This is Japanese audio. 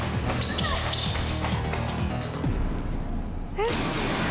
えっ？